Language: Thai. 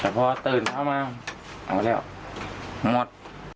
แต่พอตื่นเช้ามาเอามาแล้วหมด